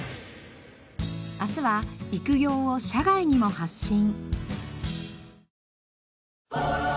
明日は育業を社外にも発信。